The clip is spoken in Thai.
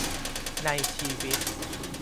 ในชีวิต